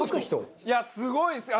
いやすごいです。